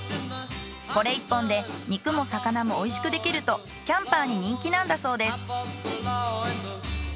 これ１本で肉も魚もおいしくできるとキャンパーに人気なんだそうです。